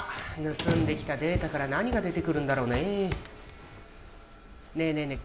盗んできたデータから何が出てくるんだろうねえねえねえ